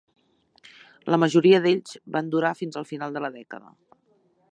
La majoria d'ells van durar fins al final de la dècada.